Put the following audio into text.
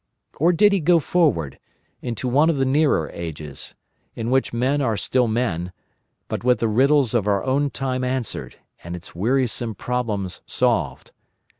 Or did he go forward, into one of the nearer ages, in which men are still men, but with the riddles of our own time answered and its wearisome problems solved?